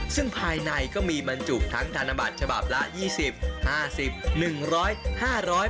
ซึ่งภายในก็มีบรรจุทั้งธนบัตรฉบับละยี่สิบห้าสิบหนึ่งร้อยห้าร้อย